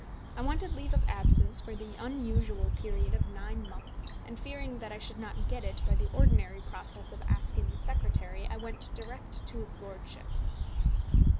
I wanted leave of absence for the unusual period of nine months, and fearing that I should not get it by the ordinary process of asking the Secretary, I went direct to his lordship.